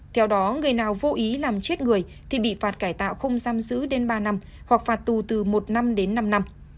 theo đó người nào vô ý làm chết người thì bị phạt cải tạo không giam giữ đến ba năm hoặc phạt tù từ một năm đến năm năm